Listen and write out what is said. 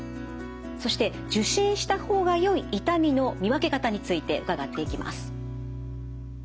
そして受診した方がよい痛みの見分け方について伺っていきます。